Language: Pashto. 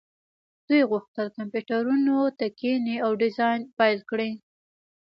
دوی غوښتل کمپیوټرونو ته کښیني او ډیزاین پیل کړي